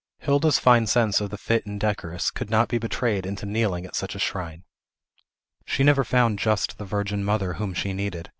Hilda's fine sense of the fit and decorous could not be betrayed into kneeling at such a shrine. She never found just the virgin mother whom she needed.